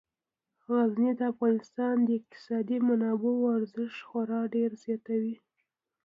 غزني د افغانستان د اقتصادي منابعو ارزښت خورا ډیر زیاتوي.